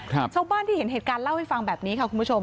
ชาวบ้านที่เห็นเหตุการณ์เล่าให้ฟังแบบนี้ค่ะคุณผู้ชม